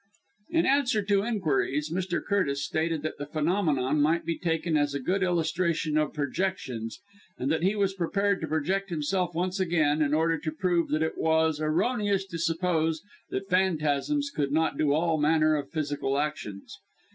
In answer to inquiries, Mr. Curtis stated that the phenomenon might be taken as a good illustration of projections; and that he was prepared to project himself once again, in order to prove that it was erroneous to suppose that phantasms could not do all manner of physical actions.